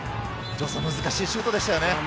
難しいシュートでしたよね。